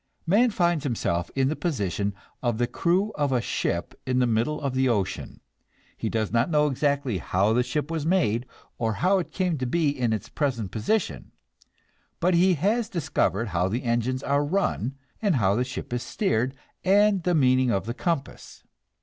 Man finds himself in the position of the crew of a ship in the middle of the ocean; he does not know exactly how the ship was made, or how it came to be in its present position, but he has discovered how the engines are run, and how the ship is steered, and the meaning of the compass.